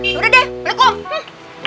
yaudah deh balik dulu